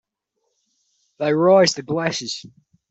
They raise their glasses.